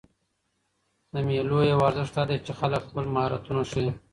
د مېلو یو ارزښت دا دئ، چې خلک خپل مهارتونه ښيي.